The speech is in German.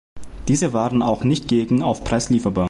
Diese waren auch nicht gegen Aufpreis lieferbar.